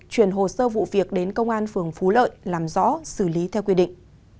chuyển hồ sơ vụ việc đến công an phường phú lợi làm rõ xử lý theo quy định